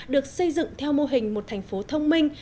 được xây dựng theo mô hình một thành phố thông minh